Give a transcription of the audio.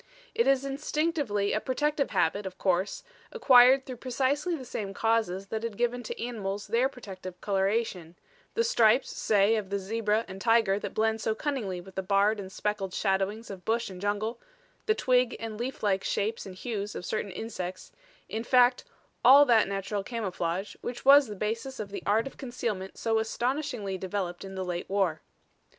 It is instinctively a protective habit, of course, acquired through precisely the same causes that had given to animals their protective coloration the stripes, say, of the zebra and tiger that blend so cunningly with the barred and speckled shadowings of bush and jungle, the twig and leaflike shapes and hues of certain insects; in fact, all that natural camouflage which was the basis of the art of concealment so astonishingly developed in the late war.